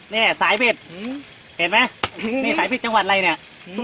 เนี้ยสายบิดเห็นมั้ยนี่สายบิดจังหวัดไรเนี้ย